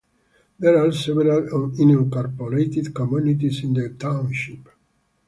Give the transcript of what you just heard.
There are several unincorporated communities in the township.